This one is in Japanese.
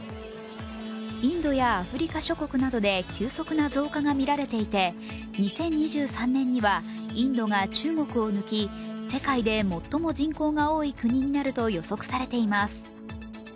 インドやアフリカ諸国などで急速な増加がみられていて２０２３年にはインドが中国を抜き、世界で最も人口が多い国になると予測されています。